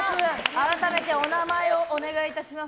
改めてお名前をお願いいたします。